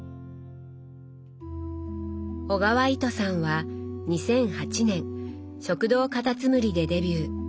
小川糸さんは２００８年「食堂かたつむり」でデビュー。